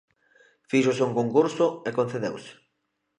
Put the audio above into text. Fíxose un concurso e concedeuse.